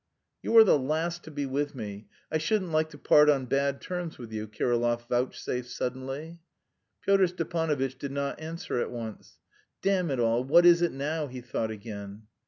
"You are the last to be with me; I shouldn't like to part on bad terms with you," Kirillov vouchsafed suddenly. Pyotr Stepanovitch did not answer at once. "Damn it all, what is it now?" he thought again.